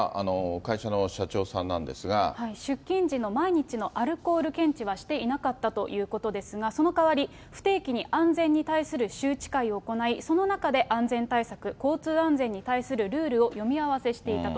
出勤時の毎日のアルコール検知はしていなかったということですが、そのかわり不定期に安全に対する周知会を行い、その中で安全対策、交通安全に対するルールを読み合わせしていたと。